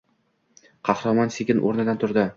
Qahramon sekin o‘rnidan turdi.